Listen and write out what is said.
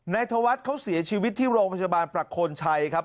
นายเถาวัดเขาเสียชีวิตที่โรงพยาบาลปรักฏชัยครับ